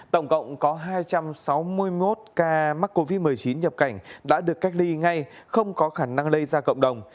tổng cộng có hai trăm sáu mươi một ca mắc covid một mươi chín nhập cảnh đã được cách ly ngay không có khả năng lây ra cộng đồng